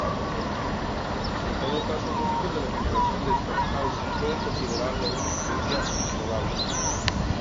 En todo caso músicos de la generación de Stockhausen pueden considerarle una influencia improbable.